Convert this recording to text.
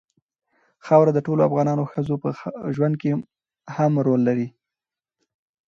خاوره د ټولو افغان ښځو په ژوند کې هم رول لري.